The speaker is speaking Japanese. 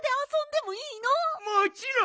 もちろん！